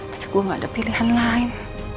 tapi gue gak ada pilihan lain